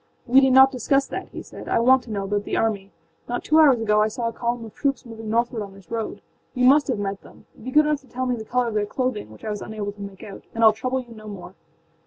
âWe need not discuss that,â he said; âI want to know about the army. Not two hours ago I saw a column of troops moving northward on this road. You must have met them. Be good enough to tell me the color of their clothing, which I was unable to make out, and Iâll trouble you no more.